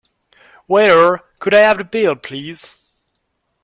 Waiter, could I have the bill please?